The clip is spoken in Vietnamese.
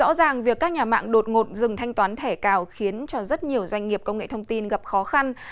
rõ ràng việc các nhà mạng đột ngột dừng thanh toán thẻ cào khiến cho rất nhiều doanh nghiệp công nghệ thông tin gặp khó khăn